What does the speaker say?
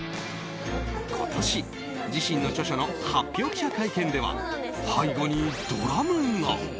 今年、自身の著書の発表記者会見では背後にドラムが。